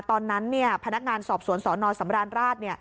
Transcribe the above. ตอนนั้นพนักงานสอบสวนสนสำราญราช